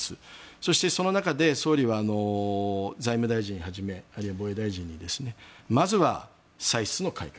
そして、その中で総理は財務大臣はじめあるいは防衛大臣にまずは歳出の改革